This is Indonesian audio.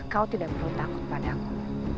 kau tidak perlu takut padaku